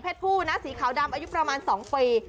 ผู้นะสีขาวดำอายุประมาณ๒ปี